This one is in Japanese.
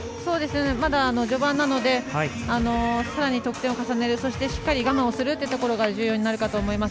まだ序盤なのでさらに得点を重ねる、そしてしっかり我慢をするのが重要になるかと思います。